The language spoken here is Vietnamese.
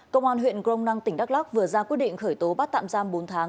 công an huyện grong năng tỉnh đắk lắc vừa ra quyết định khởi tố bắt tạm giam bốn tháng